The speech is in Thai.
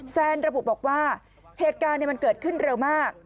แซนระบุบอกว่าเหตุการณ์มันเกิดขึ้นเร็วมาก